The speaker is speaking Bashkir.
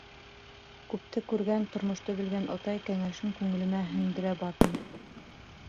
Күпте күргән, тормошто белгән атай кәңәшен күңелемә һеңдерә барҙым.